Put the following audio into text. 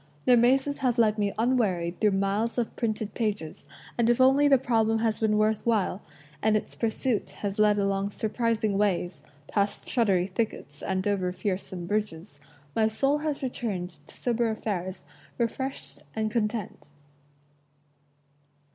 Their mazes have led me unwearied through miles of printed pages, and if only the problem has been worth while, and its pursuit has led along surprising ways, past shuddery thickets and over fearsome bridges, my soul has returned to sober affairs refreshed and content.